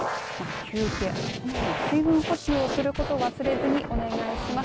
休憩、あとこまめに水分補給をすることを忘れずにお願いします。